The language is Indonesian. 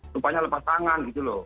rupanya lepas tangan gitu loh